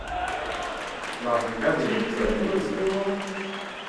Ma hûn nabînin ku ez mijûl im?